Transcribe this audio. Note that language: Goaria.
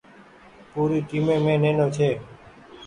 پوري ٽيمي مين نينو ڇي۔